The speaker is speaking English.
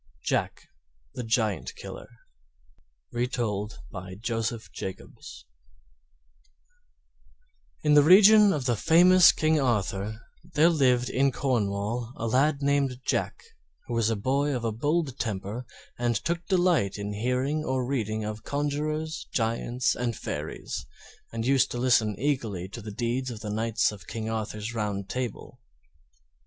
JACK THE GIANT KILLER Retold by Joseph Jacobs In the reign of the famous King Arthur there lived in Cornwall a lad named Jack, who was a boy of a bold temper and took delight in hearing or reading of conjurers, giants, and fairies; and used to listen eagerly to the deeds of the knights of King Arthur's Round Table.